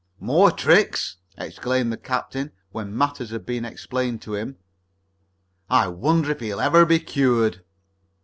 "More tricks!" exclaimed the captain, when matters had been explained to him, "I wonder if he'll ever be cured?"